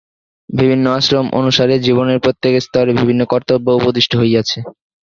বিভিন্ন আশ্রম অনুসারে জীবনের প্রত্যেক স্তরে বিভিন্ন কর্তব্য উপদিষ্ট হইয়াছে।